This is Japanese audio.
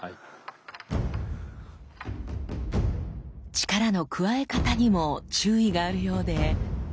力の加え方にも注意があるようで。